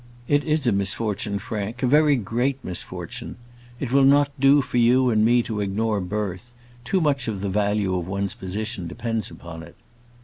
"It is a misfortune, Frank; a very great misfortune. It will not do for you and me to ignore birth; too much of the value of one's position depends upon it."